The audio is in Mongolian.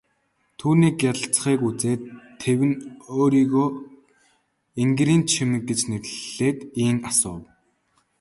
Түүний гялалзахыг үзээд тэвнэ өөрийгөө энгэрийн чимэг гэж нэрлээд ийн асуув.